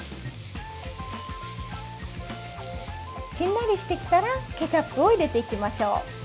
しんなりしてきたらケチャップを入れていきましょう。